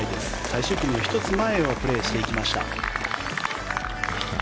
最終組の１つ前をプレーしていきました。